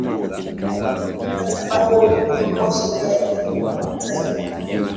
mkataba huo ulifanywa kuwa sheria ya kimataifa